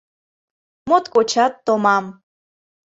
— Моткочат томам.